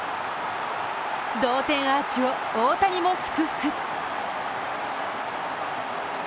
同点アーチを大谷も祝福。